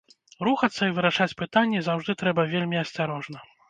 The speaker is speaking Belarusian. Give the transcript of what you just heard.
Рухацца і вырашаць пытанні заўжды трэба вельмі асцярожна.